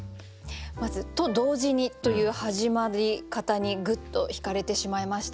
まず「と、同時に」という始まり方にグッとひかれてしまいました。